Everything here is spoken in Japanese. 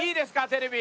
テレビ。